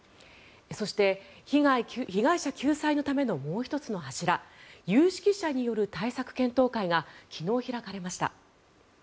そして、被害者救済のためのもう１つの柱有識者による対策検討会が昨日、開かれました。